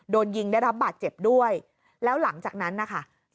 โดนยิงได้รับบาดเจ็บด้วยแล้วหลังจากนั้นนะคะ